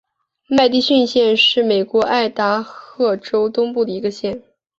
麦迪逊县是美国爱达荷州东部的一个县。